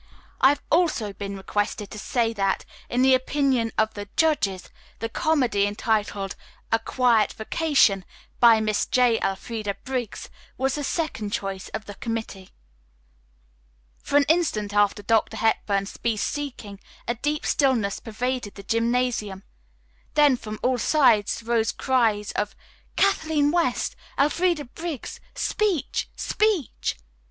I have also been requested to say that, in the opinion of the judges, the comedy entitled 'A Quiet Vacation,' by Miss J. Elfreda Briggs, was the second choice of the committee." For an instant after Dr. Hepburn ceased speaking a deep stillness pervaded the gymnasium, then from all sides rose cries of "Kathleen West! Elfreda Briggs! Speech! speech!"